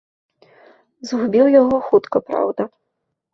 Згубіў яго хутка, праўда.